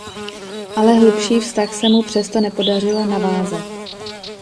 Ale hlubší vztah se mu přesto nepodaří navázat.